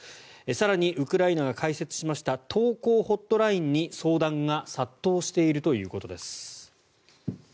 更に、ウクライナが開設しました投降ホットラインに、相談が殺到しているということです。